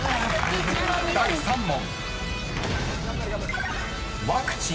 ［第３問］